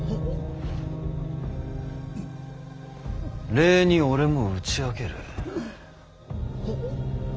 礼に俺も打ち明ける。